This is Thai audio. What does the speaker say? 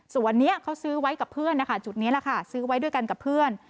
สวนนี้เขาซื้อไว้กับเพื่อนจุดนี้ซื้อไว้ด้วยกันกับเพื่อน